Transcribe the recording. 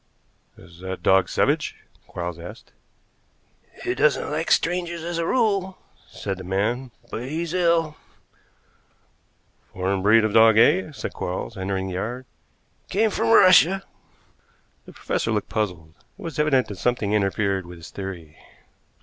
"Is that dog savage?" Quarles asked. "He doesn't like strangers, as a rule," said the man, "but he's ill." "Foreign breed of dog, eh?" said Quarles, entering the yard. "Came from Russia." The professor looked puzzled. It was evident that something interfered with his theory.